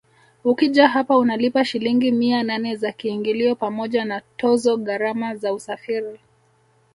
Ukija hapa unalipa Shilingi mia nane za kiingilio pamoja na tozo gharama za usafiri